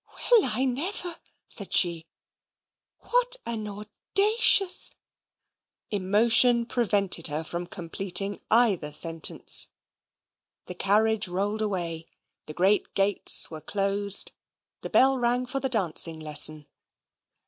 "Well, I never" said she "what an audacious" Emotion prevented her from completing either sentence. The carriage rolled away; the great gates were closed; the bell rang for the dancing lesson.